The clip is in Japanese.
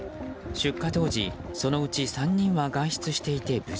出火当時、そのうち３人は外出していて無事。